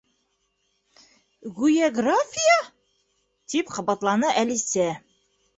—Гүйәграфия? —тип ҡабатланы Әлисә.